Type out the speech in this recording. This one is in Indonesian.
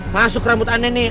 masuk rambut aneh nih